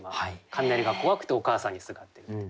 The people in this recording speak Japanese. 雷が怖くてお母さんにすがってるって。